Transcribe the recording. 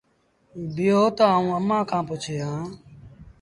بيٚهو تا آئوٚݩ اَمآݩ کآݩ پُڇي آن۔